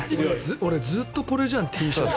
俺、ずっとこれじゃんＴシャツ。